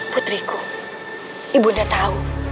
putriku ibu nda tahu